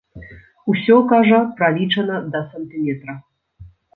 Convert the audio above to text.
Усё, кажа, пралічана да сантыметра.